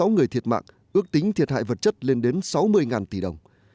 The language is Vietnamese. ba trăm tám mươi sáu người thiệt mạng ước tính thiệt hại vật chất lên đến sáu mươi tỷ đồng